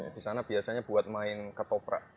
di sana biasanya buat main ketoprak